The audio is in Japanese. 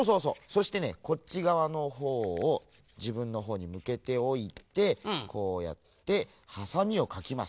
そしてねこっちがわのほうをじぶんのほうにむけておいてこうやってハサミをかきます。